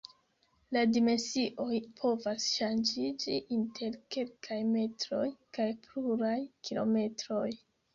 La dimensioj povas ŝanĝiĝi inter kelkaj metroj kaj pluraj kilometroj.